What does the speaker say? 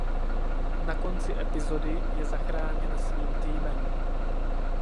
Na konci epizody je zachráněn svým týmem.